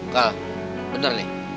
kal bener nih